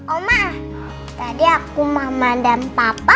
oma tadi aku mama dan papa